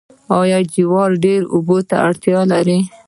آیا جوار ډیرو اوبو ته اړتیا لري؟